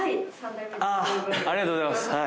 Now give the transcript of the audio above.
ありがとうございます。